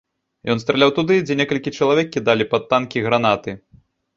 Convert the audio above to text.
Ён страляў туды, дзе некалькі чалавек кідалі пад танкі гранаты.